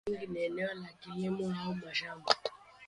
Mara nyingi ni eneo la kilimo au mashamba.